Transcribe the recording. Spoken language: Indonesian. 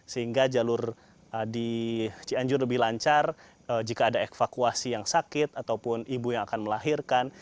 sehingga jalur di cianjur lebih lancar jika ada evakuasi yang sakit ataupun ibu yang akan melahirkan